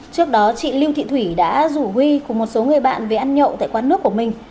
trước đó chị lưu thị thủy đã rủ huy cùng một số người bạn về ăn nhậu tại quán nước của mình